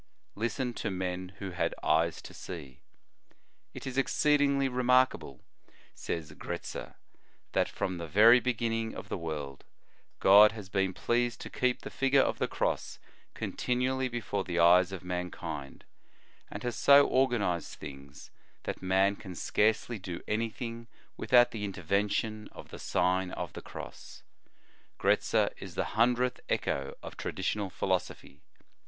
Listen to men who had eyes to see. "It is exceedingly remarkable," says Gret zer, "that, from the very beginning of the world, God has been pleased to keep the figure of the Cross continually before the eyes In the Nineteenth Century. 121 of mankind, and has so organized things that man can scarcely do anything without the intervention of the Sign of the Cross."* Gretzer is the hundredth echo of traditional philosophy.